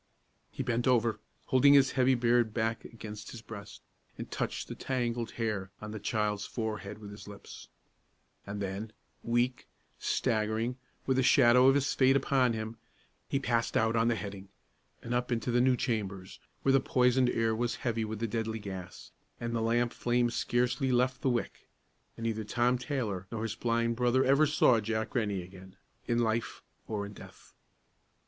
He bent over, holding his heavy beard back against his breast, and touched the tangled hair on the child's forehead with his lips; and then, weak, staggering, with the shadow of his fate upon him, he passed out on the heading, and up into the new chambers, where the poisoned air was heavy with the deadly gas, and the lamp flame scarcely left the wick; and neither Tom Taylor nor his blind brother ever saw Jack Rennie again, in life or in death.